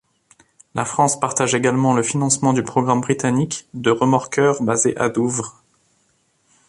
La France partage également le financement du programme britannique de remorqueur basé à Douvres.